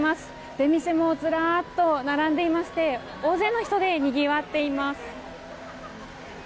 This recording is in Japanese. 出店もずらっと並んでいまして大勢の人でにぎわっています。